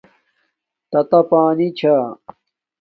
تاتا ہانی چھا